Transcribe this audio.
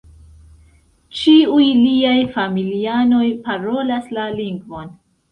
Ĉiuj liaj familianoj parolas la lingvon.